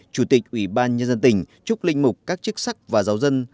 chủ tịch ủy ban nhân dân tỉnh chúc linh mục các chức sắc và giáo dân